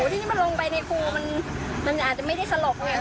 ที่นี่มันลงไปในครูมันอาจจะไม่ได้สลบไง